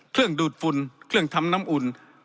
เครื่องดูดฟุนเครื่องทำน้ำอุ่น